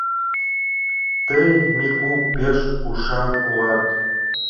Тый, Мику, пеш ушан улат.